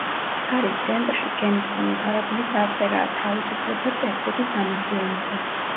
ფარის ცენტრში, გემის ქვემოთ არაბული წარწერაა „თავისუფლება, წესრიგი, სამართლიანობა“.